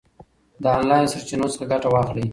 د آنلاین سرچینو څخه ګټه واخلئ.